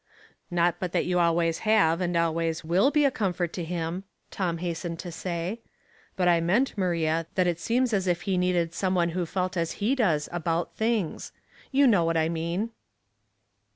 "Not but that you always have and always will be a comfort to him," Tom hastened to say. But I meant, Maria, that it seems as if he needed some one who felt as he does about things. You know what I mean."